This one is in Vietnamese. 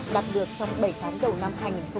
đạt được trong bảy tháng đầu năm hai nghìn một mươi chín